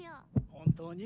本当に？